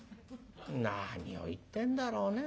「何を言ってんだろうね